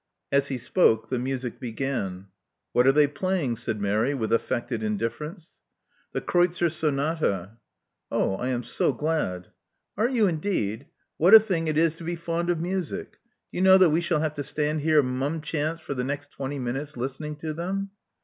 As he spoke, the music began. '*What are they playing?" said Mary with affected indifference. "The Kreutzer Sonata." Oh! I am so glad." Are you, indeed? What a thing it is to be fond of music! Do you know that we shall have to stand here mumchance for the next twenty minutes listening to them?"